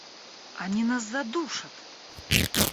— Они нас задушат!